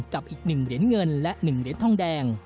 กับอีก๑เหรียญเงินและ๑เหรียญทองแดง